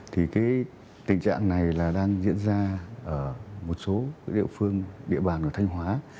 thì cái tình trạng này là đang diễn ra ở một số địa phương địa bàn ở thanh hóa